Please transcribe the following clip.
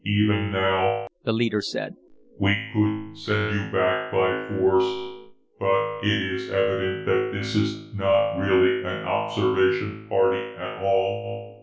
"Even now," the leader said, "we could send you back by force. But it is evident that this is not really an observation party at all.